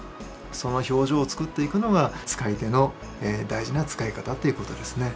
その表情を作っていくのが使い手の大事な使い方っていう事ですね。